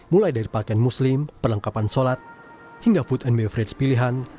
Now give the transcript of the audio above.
mulai dari pakaian muslim perlengkapan sholat hingga food and beverage pilihan